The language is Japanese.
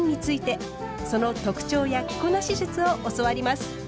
その特徴や着こなし術を教わります。